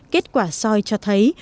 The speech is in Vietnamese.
kết quả soi cho thấy